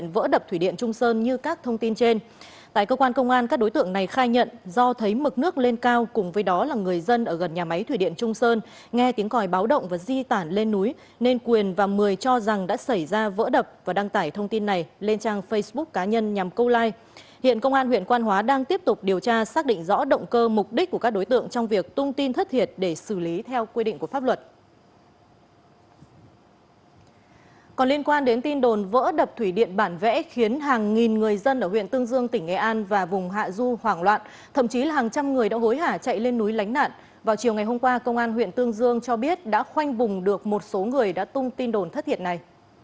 vào chiều ngày hôm qua công an huyện tương dương cho biết đã khoanh vùng được một số người đã tung tin đồn thất thiệt này